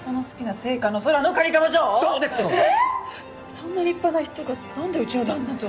そんな立派な人がなんでうちの旦那と？